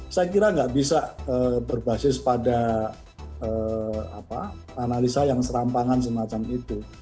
saya kira nggak bisa berbasis pada analisa yang serampangan semacam itu